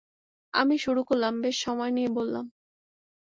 আমি শুরু করলাম, বেশ সময় নিয়ে বললাম।